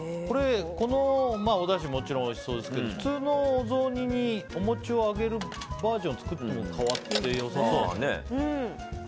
このおだしもちろんおいしそうですけど普通のお雑煮お餅を揚げるバージョンで作っても、変わって良さそうだね。